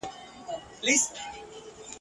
مگر گوره یولوی ځوز دی زما په پښه کی `